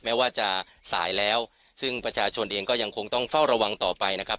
แม้ว่าจะสายแล้วซึ่งประชาชนเองก็ยังคงต้องเฝ้าระวังต่อไปนะครับ